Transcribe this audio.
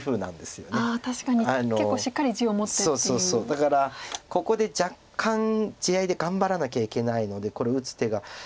だからここで若干地合いで頑張らなきゃいけないのでこれ打つ手が。